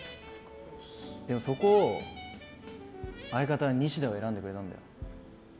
そこを相方にニシダを選んでくれたんだよ。